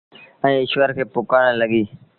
ائيٚݩ ايٚشور کي پُڪآرڻ لڳيٚ۔